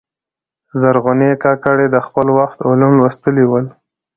زرغونې کاکړي د خپل وخت علوم لوستلي ول.